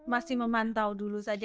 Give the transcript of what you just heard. masih memantau dulu saja